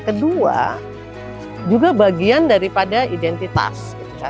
kedua juga bagian daripada identitas